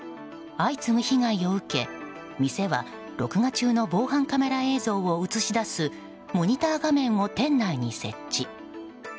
相次ぐ被害を受け店は録画中の防犯カメラ映像を映し出すモニター画面を店内に設置。